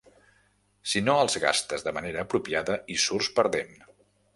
Si no els gastes de manera apropiada, hi surts perdent.